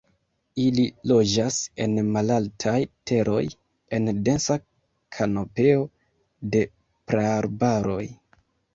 Ili loĝas en malaltaj teroj, en densa kanopeo de praarbaroj.